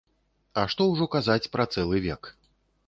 А што ўжо казаць пра цэлы век.